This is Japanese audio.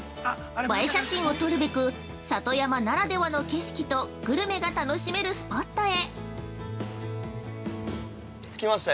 映え写真を撮るべく、里山ならではの景色とグルメが楽しめるスポットへ。